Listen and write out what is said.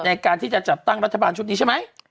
ในการที่จะจัดตั้งรัฐบาลชุดนี้ใช่ไหม